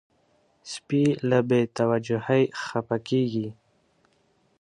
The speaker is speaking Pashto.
سپي له بې توجهۍ خپه کېږي.